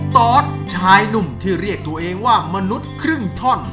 ตอสชายหนุ่มที่เรียกตัวเองว่ามนุษย์ครึ่งท่อน